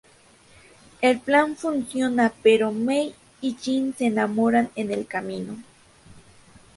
El plan funciona, pero Mei y Jin se enamoran en el camino.